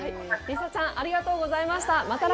リサちゃん、ありがとうございました。